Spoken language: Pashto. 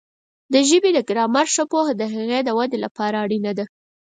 د ژبې د ګرامر ښه پوهه د هغې د وده لپاره اړینه ده.